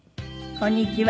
こんにちは。